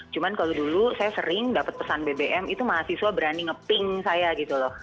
cuma kalau dulu saya sering dapat pesan bbm itu mahasiswa berani nge pink saya gitu loh